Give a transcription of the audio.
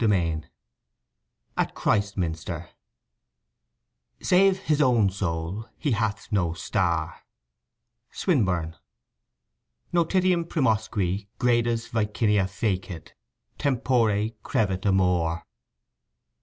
Part Second AT CHRISTMINSTER "Save his own soul he hath no star."—SWINBURNE. _"Notitiam primosque gradus vicinia fecit; Tempore crevit amor."